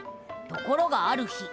ところがある日。